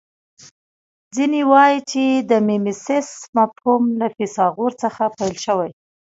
ځینې وايي چې د میمیسیس مفهوم له فیثاغورث څخه پیل شوی